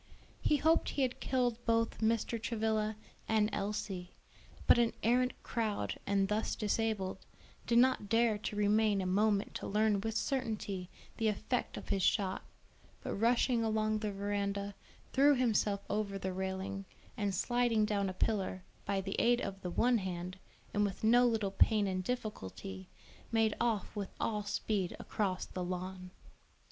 He hoped he had killed both Mr. Travilla and Elsie; but, an arrant coward and thus disabled, did not dare to remain a moment to learn with certainty the effect of his shot, but rushing along the veranda, threw himself over the railing, and sliding down a pillar, by the aid of the one hand, and with no little pain and difficulty, made off with all speed across the lawn.